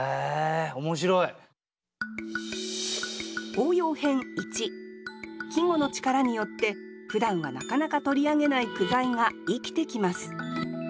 応用編１季語の力によってふだんはなかなか取り上げない句材が生きてきます